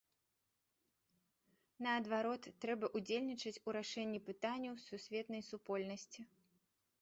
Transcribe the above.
Наадварот, трэба ўдзельнічаць у рашэнні пытанняў сусветнай супольнасці.